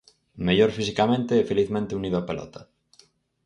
Mellor fisicamente e felizmente unido á pelota.